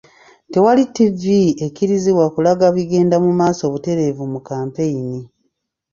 Tewali ttivi ekkirizibwa kulaga bigenda mu maaso butereevu mu kampeyini